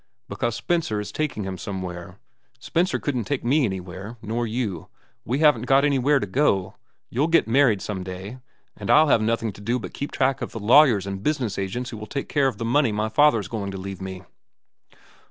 Because Spencer is taking him somewhere. Spencer couldn't take me anywhere, nor you. We haven't got anywhere to go. You'll get married some day, and I'll have nothing to do but keep track of the lawyers and business agents who will take care of the money my father's going to leave me."